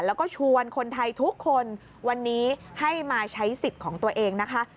แล้วก็ชวนคนไทยทุกคนวันนี้ให้มาใช้สิทธิ์ของตัวเองนะคะ